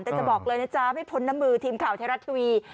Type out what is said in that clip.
แต่จะบอกเลยนะจ๊ะไม่พ้นน้ำมือทีมข่าวไทยรัฐทีวี